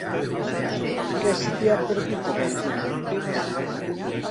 Què se t'hi ha perdut, a Bèlgida?